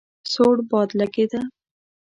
سوړ باد لګېده.